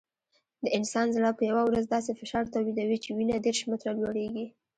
د انسان زړه په یوه ورځ داسې فشار تولیدوي چې وینه دېرش متره لوړېږي.